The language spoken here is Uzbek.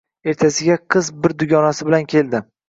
Ertasiga qiz bir dugonasi bilan keldi.